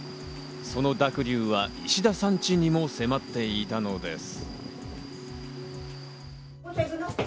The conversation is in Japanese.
その濁流は石田さんチにも迫っていたのです。